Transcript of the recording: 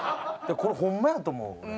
これホンマやと思う。